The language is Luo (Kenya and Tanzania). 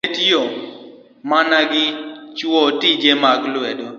riwruogno ne tiyo mana gi chwo e tije mag lwedo.